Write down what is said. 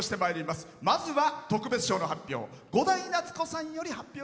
まずは特別賞の発表。